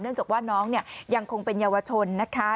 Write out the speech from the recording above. จากว่าน้องเนี่ยยังคงเป็นเยาวชนนะคะ